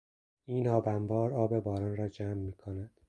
این آب انبار آب باران را جمع میکند.